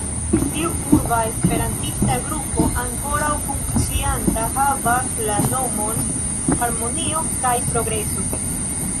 Tiu urba esperantista grupo, ankoraŭ funkcianta, havas la nomon "harmonio kaj progreso".